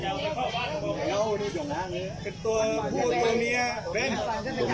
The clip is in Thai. สวัสดีครับคุณแฟม